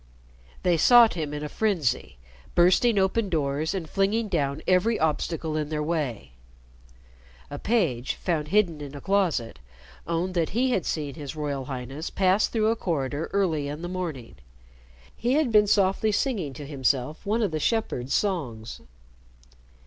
They sought him in a frenzy, bursting open doors and flinging down every obstacle in their way. A page, found hidden in a closet, owned that he had seen His Royal Highness pass through a corridor early in the morning. He had been softly singing to himself one of the shepherd's songs.